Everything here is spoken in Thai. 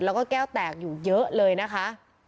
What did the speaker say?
แล้วก็แก้วแตกอยู่เยอะเลยนะคะ